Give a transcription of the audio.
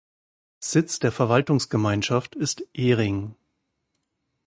Sitz der Verwaltungsgemeinschaft ist Ering.